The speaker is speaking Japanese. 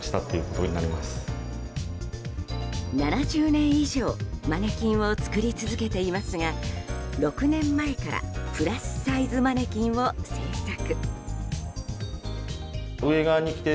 ７０年以上マネキンを作り続けていますが６年前からプラスサイズマネキンを製作。